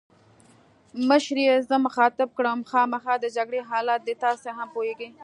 مشرې یې زه مخاطب کړم: خامخا د جګړې حالات دي، تاسي هم پوهېږئ.